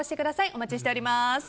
お待ちしております。